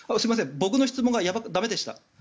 僕の質問が駄目でした。